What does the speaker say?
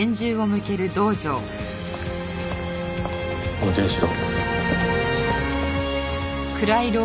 運転しろ。